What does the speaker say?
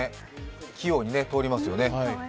器用に通りますよね。